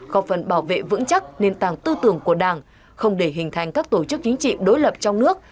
có phần bảo vệ vững chắc nền tảng tư tưởng của đảng không để hình thành các tổ chức chính trị đối lập trong nước